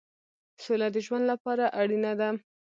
سوله د ژوند لپاره اړینه ده.